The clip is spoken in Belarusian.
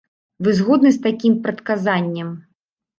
Вы згодны з такім прадказаннем?